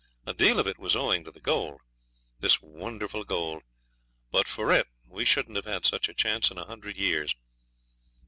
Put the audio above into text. A deal of it was owing to the gold. This wonderful gold! But for it we shouldn't have had such a chance in a hundred years.